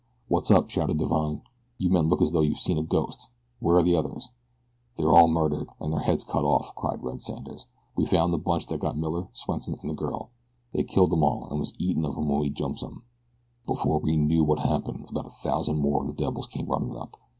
"What's up?" shouted Divine. "You men look as though you'd seen a ghost. Where are the others?" "They're all murdered, and their heads cut off," cried Red Sanders. "We found the bunch that got Miller, Swenson, and the girl. They'd killed 'em all and was eatin' of 'em when we jumps 'em. Before we knew wot had happened about a thousand more of the devils came runnin' up.